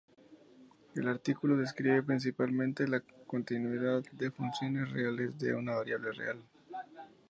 El artículo describe principalmente la continuidad de funciones reales de una variable real.